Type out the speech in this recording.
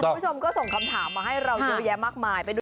คุณผู้ชมก็ส่งคำถามมาให้เราเยอะแยะมากมายไปดู